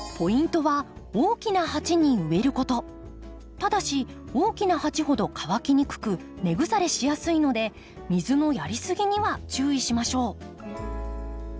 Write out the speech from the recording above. ただし大きな鉢ほど乾きにくく根腐れしやすいので水のやりすぎには注意しましょう。